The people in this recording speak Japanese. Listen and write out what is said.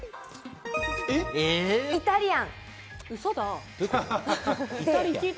イタリアン。